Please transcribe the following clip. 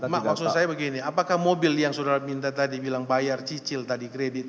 maksud saya begini apakah mobil yang saudara minta tadi bilang bayar cicil tadi kredit